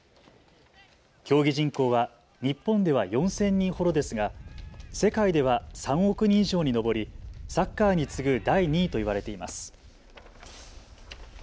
競技人口は日本では４０００人ほどですが世界では３億人以上に上りサッカーに次ぐ第２位といわれています。